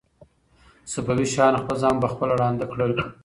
صفوي شاهانو خپل زامن په خپله ړانده کړل.